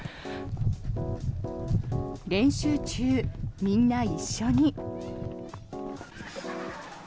練習中、みんな一緒に。